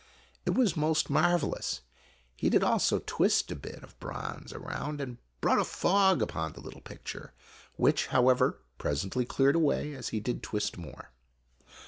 It was most marvelous ! He did also twist a bit of bronze around and brought a fog upon the little picture, which, however, presently cleared away as he did twist more.